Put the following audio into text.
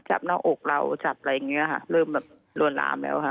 หน้าอกเราจับอะไรอย่างนี้ค่ะเริ่มแบบลวนลามแล้วค่ะ